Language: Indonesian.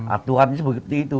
aturannya seperti itu